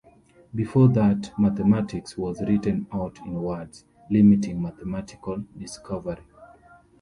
Before that, mathematics was written out in words, limiting mathematical discovery.